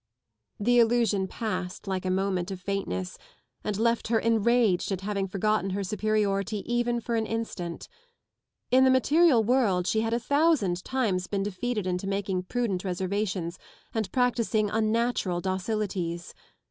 The illusion passed like a moment of faintness and left her enraged at having forgotten her superiority even for an instant. In the material world she had a thousand times been defeated into making prudent reservations and practising unnatural docilities.